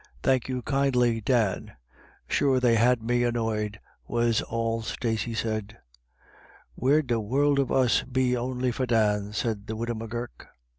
" Thank you kindly, Dan ; sure they had me annoyed," was all Stacey said. " Where'd the whoule of us be on'y for Dan ? M said the widow M'Gurk.